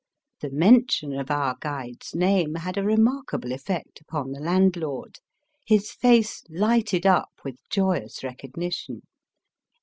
The mention of our guide's name had a remarkable effect upon the landlord. His face lighted up with joyous recognition.